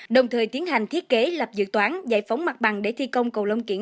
đồng thời tiến hành thiết kế lập dự toán giải phóng mặt bằng để thi công cầu long kiển